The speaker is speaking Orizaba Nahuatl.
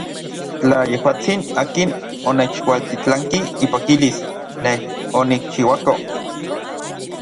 Tla yejuatsin akin onechualtitlanki ipakilis nej onikchiuako.